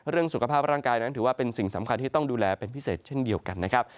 เรื่องสุขภาพร่างกายนั้นถือว่าเป็นสิ่งสำคัญที่ต้องดูแลเป็นพิเศษเช่นเดียวกันนะครับ